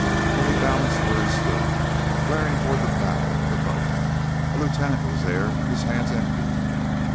Then he balanced where he stood, glaring toward the bow of the boat. A lieutenant was there, his hands empty.